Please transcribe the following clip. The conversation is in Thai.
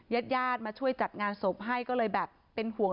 ญาติญาติมาช่วยจัดงานศพให้ก็เลยแบบเป็นห่วง